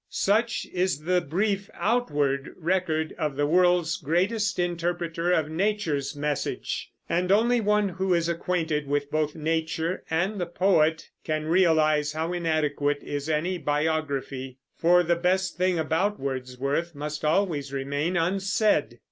Such is the brief outward record of the world's greatest interpreter of nature's message; and only one who is acquainted with both nature and the poet can realize how inadequate is any biography; for the best thing about Wordsworth must always remain unsaid.